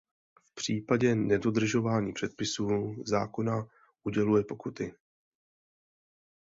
V případě nedodržování předpisů zákona uděluje pokuty.